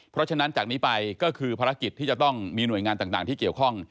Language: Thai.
เพราะฉะนั้นจากนี้ไปก็คือภารกิจที่จะต้องมีหน่วยงานต่างที่เกี่ยวข้อง